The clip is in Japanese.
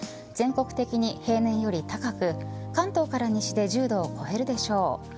全国的に平年より高く関東から西では１０度を超えるでしょう。